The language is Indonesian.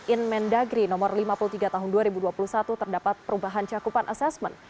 inmen dagri no lima puluh tiga tahun dua ribu dua puluh satu terdapat perubahan cakupan asesmen